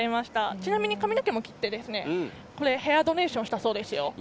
ちなみに髪の毛も切ってへアドネーションしたそうですよ。